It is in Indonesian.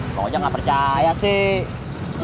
bang ojek gak percaya sih